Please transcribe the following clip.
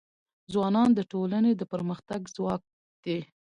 ځوانان د ټولنې د پرمختګ ځواک دی.